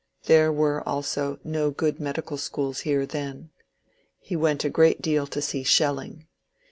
There were also no good medical schools here then. He went a great deal to see Schelling.